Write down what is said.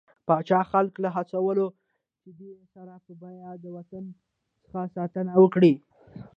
پاچا خلک له وهڅول، چې د سر په بيه د وطن څخه ساتنه وکړي.